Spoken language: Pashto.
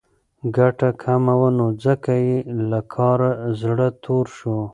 ګټه کمه وه نو ځکه یې له کاره زړه توری شو.